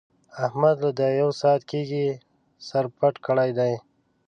احمد له دا يو ساعت کېږي سر پټ کړی دی.